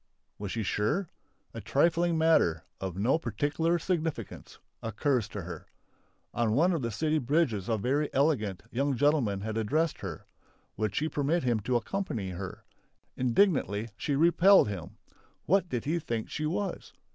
Was she sure? A trifling matter "of no particular significance" occurs to her. On one of the city bridges a very elegant, young gentleman had addressed her. Would she permit him to accompany her? Indignantly she repelled him. What did he think she was!